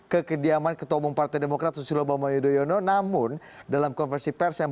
ke kediaman ketua umum partai demokrat susilo bambang yudhoyono namun dalam konversi pers yang